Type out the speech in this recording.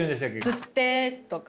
「釣って」とか。